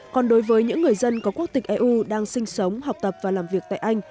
còn đối với những người dân có quốc tịch eu đang sinh sống học tập và làm việc tại anh